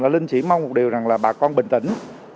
linh chỉ mong một điều rằng là bà con bình tĩnh